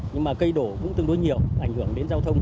nhưng mà cây đổ cũng tương đối nhiều ảnh hưởng đến giao thông